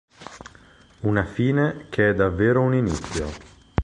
Una fine che è davvero un inizio".